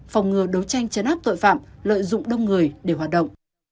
phòng ngừa đấu tranh chấn áp tội phạm lợi dụng đông người để hoạt động